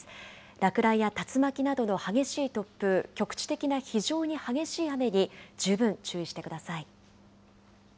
落雷や竜巻などの激しい突風、局地的な非常に激しい雨に十分注意してください。